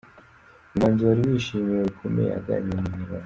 Uyu muhanzi wari wishimiwe bikomeye aganira na Inyarwanda.